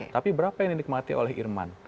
tapi berapa yang dinikmati oleh irman